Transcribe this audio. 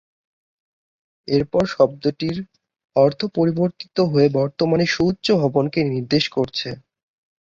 এরপর শব্দটির অর্থ পরিবর্তিত হয়ে বর্তমানে সুউচ্চ ভবনকে নির্দেশ করছে।